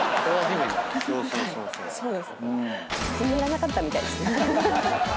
気に入らなかったみたいです。